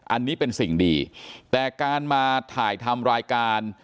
อันนี้เป็นสิ่งดีแต่การมาถ่ายทำรายการ